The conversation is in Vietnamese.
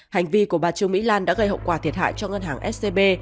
hành vi của bà trương mỹ lan đã gây hậu quả thiệt hại cho ngân hàng scb